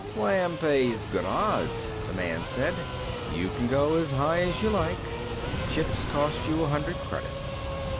"Slam pays good odds," the man said. "You can go as high as you like. Chips cost you a hundred credits.